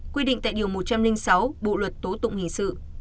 quy định tại điều một trăm linh sáu bộ luật tố tụng hình sự